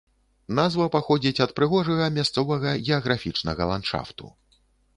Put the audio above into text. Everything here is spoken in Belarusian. Назва паходзіць ад прыгожага мясцовага геаграфічнага ландшафту.